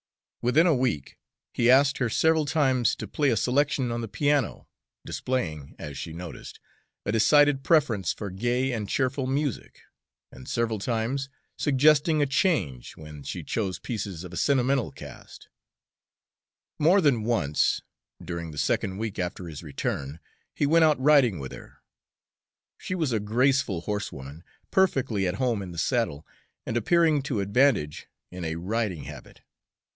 Within a week he asked her several times to play a selection on the piano, displaying, as she noticed, a decided preference for gay and cheerful music, and several times suggesting a change when she chose pieces of a sentimental cast. More than once, during the second week after his return, he went out riding with her; she was a graceful horsewoman, perfectly at home in the saddle, and appearing to advantage in a riding habit.